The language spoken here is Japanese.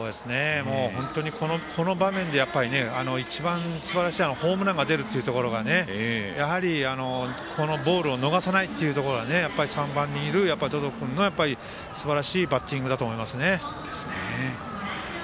本当にこの場面で一番すばらしいホームランが出るというところがこのボールを逃さないっていうところが３番にいる百々君のすばらしいバッティングだと思いますね。